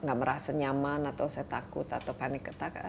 nggak merasa nyaman atau saya takut atau panik